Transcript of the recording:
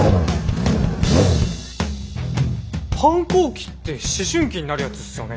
反抗期って思春期になるやつっすよね？